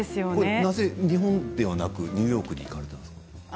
なぜ日本ではなくニューヨークに行かれたんですか。